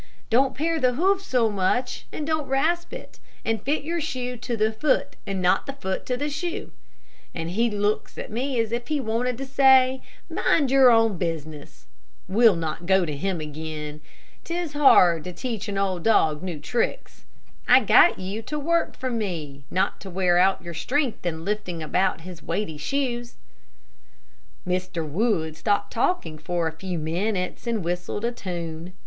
'Don't pare the hoof so much, and don't rasp it; and fit your shoe to the foot, and not the foot to the shoe,' and he looks as if he wanted to say, 'Mind your own business.' We'll not go to him again. ''Tis hard to teach an old dog new tricks.' I got you to work for me, not to wear out your strength in lifting about his weighty shoes." Mr. Wood stopped talking for a few minutes, and whistled a tune.